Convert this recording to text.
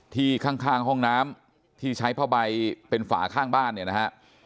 ที่ข้างห้องน้ำที่ใช้ผ้าใบเป็นฝาข้างบ้านเนี่ยนะฮะ